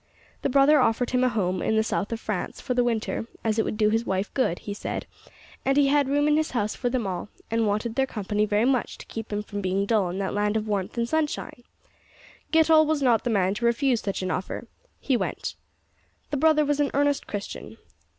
The brother offered him a home in the south of France for the winter, as it would do his wife good, he said, and he had room in his house for them all, and wanted their company very much to keep him from being dull in that land of warmth and sunshine! Getall was not the man to refuse such an offer. He went. The brother was an earnest Christian.